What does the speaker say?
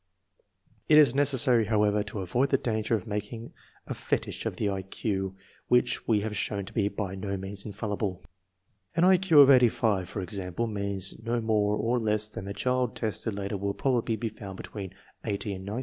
It is necessary, however, to avoid the danger of mak ing a fetich of the I Q, which we have shown to be by no means infallible. An I Q of 85, for example, means no more nor less than that the child tested later will probably be found between 80 and 90.